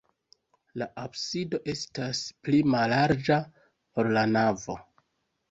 La absido estas pli mallarĝa, ol la navo.